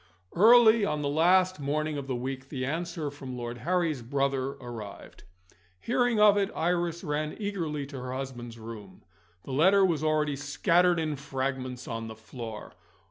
Early on the last morning of the week the answer from Lord Harry's brother arrived. Hearing of it, Iris ran eagerly into her husband's room. The letter was already scattered in fragments on the floor.